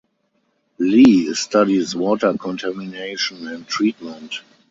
Li studies water contamination and treatment.